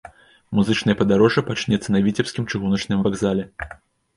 Музычнае падарожжа пачнецца на віцебскім чыгуначным вакзале.